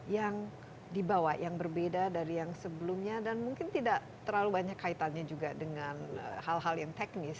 yang dibawa yang berbeda dari yang sebelumnya dan mungkin tidak terlalu banyak kaitannya juga dengan hal hal yang teknis